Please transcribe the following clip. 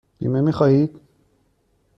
بیمه می خواهید؟